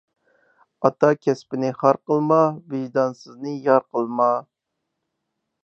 ئاتا كەسپىنى خار قىلما، ۋىجدانسىزنى يار قىلما.